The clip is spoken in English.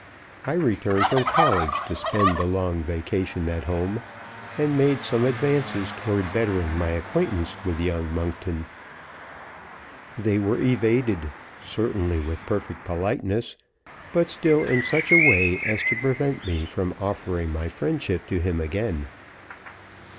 I returned from college to spend the long vacation at home, and made some advances toward bettering my acquaintance with young Monkton. They were evaded certainly with perfect politeness, but still in such a way as to prevent me from offering my friendship to him again.